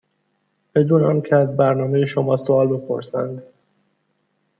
بدون آنکه از برنامه شما سوال بپرسند.